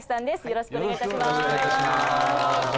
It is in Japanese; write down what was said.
よろしくお願いします。